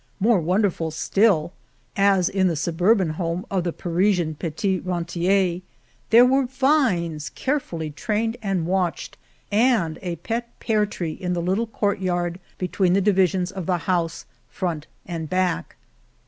— more wonderful still, as in the suburban home of the Parisian petit rentier y there were vines, carefully trained and watched, and a pet pear tree in the little courtyard between the divisions of the house, front and back.